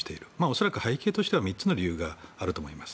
恐らく背景としては３つの理由があると思います。